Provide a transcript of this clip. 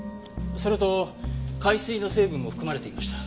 それと海水の成分も含まれていました。